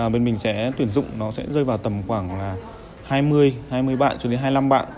bên mình sẽ tuyển dụng nó sẽ rơi vào tầm khoảng hai mươi hai mươi bạn cho đến hai mươi năm bạn